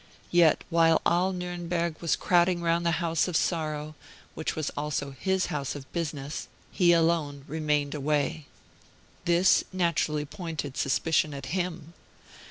Yet, while all Nuremberg was crowding round the house of sorrow, which was also his house of business, he alone remained away. This naturally pointed suspicion at him.